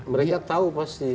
mereka tahu pasti